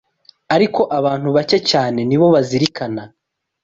Ariko abantu bake cyane ni bo bazirikana